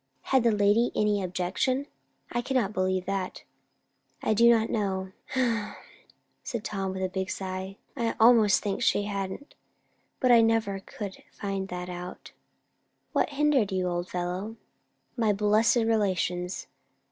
"Had the lady any objection? I cannot believe that." "I don't know," said Tom, with a big sigh. "I almost think she hadn't; but I never could find that out." "What hindered you, old fellow?" "My blessed relations.